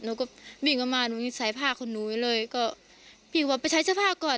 หนูก็บิ่งลงมาหนูนี่ใส่ผ้าของหนูไว้เลยก็พี่ก็บอกไปใช้เสื้อผ้าก่อน